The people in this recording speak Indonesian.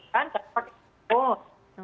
kan pakai handphone